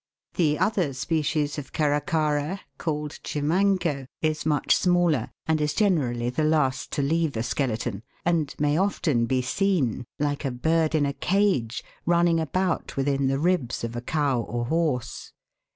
The other species of Caracara, called Chimango, is much smaller, and is generally the last to leave a skeleton, and may often be seen, like a bird in a cage, running about within the ribs of a cow or horse.